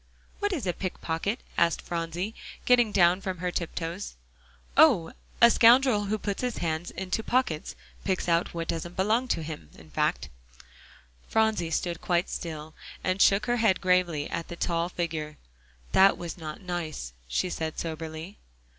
"What is a pick pocket?" asked Phronsie, getting down from her tiptoes. "Oh! a scoundrel who puts his hands into pockets; picks out what doesn't belong to him, in fact." Phronsie stood quite still, and shook her head gravely at the tall figure. "That was not nice," she said soberly.